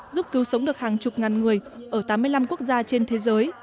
giúp cứu sống được hàng chục ngàn người ở tám mươi năm quốc gia trên thế giới